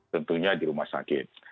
tentunya di rumah sakit